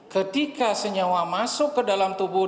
ketika senyawa masuk ke dalam tubuh